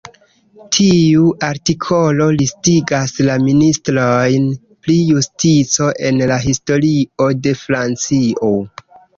Tiu artikolo listigas la ministrojn pri justico en la historio de Francio.